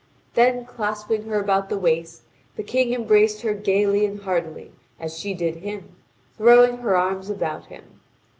Then clasping her around the waist, the King embraced her gaily and heartily as she did him, throwing her arms about him.